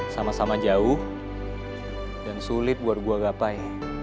sama sama jauh dan sulit buat gue gapai